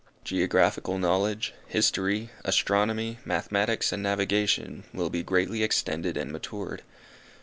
Geographical knowledge, history, astronomy, mathematics and navigation, will be greatly extended and matured.